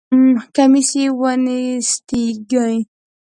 کمیس یې ونستېږی!